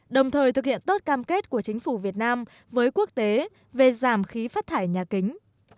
đồng thời thực hiện tốt cam kết của chính phủ việt nam với quốc tế về giảm khí phát thải nhà kính